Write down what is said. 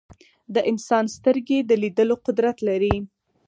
د انسان سترګې د لیدلو قدرت لري.